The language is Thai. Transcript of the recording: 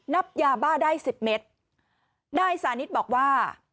ับยาบ้าได้สิบเมตรนายสานิทบอกว่า